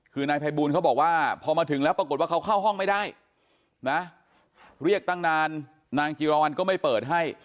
คือนายภัยบูลเขาบอกว่าพอมาถึงแล้วปรากฏว่าเขาเข้าห้องไม่ได้นะเรียกตั้งนานนางจิรวรรณก็ไม่เปิดให้